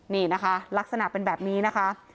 นี่นะคะลักษณะเป็นแบบนี้นะคะ